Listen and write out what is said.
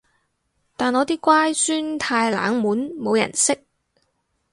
但我啲乖孫太冷門冇人識